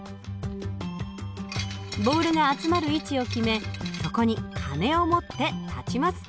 ボールが集まる位置を決めそこに鐘を持って立ちます。